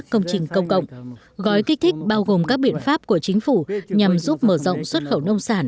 các công trình công cộng gói kích thích bao gồm các biện pháp của chính phủ nhằm giúp mở rộng xuất khẩu nông sản